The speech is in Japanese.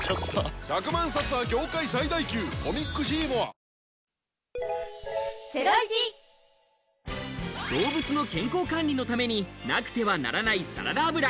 三井不動産動物の健康管理のためになくてはならないサラダ油。